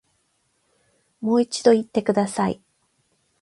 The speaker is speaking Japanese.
もう一度言ってください